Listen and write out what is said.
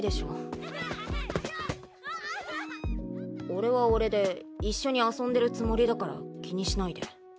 俺は俺で一緒に遊んでるつもりだから気にしないで